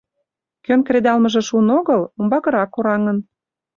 Кӧн кредалмыже шуын огыл — умбакырак кораҥын.